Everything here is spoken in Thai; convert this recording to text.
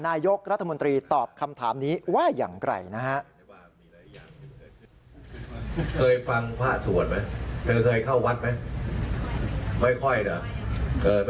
นายกรัฐมนตรีตอบคำถามนี้ว่าอย่างไกลนะฮะ